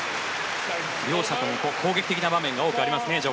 両者とも、攻撃的な場面が序盤、多くありますね。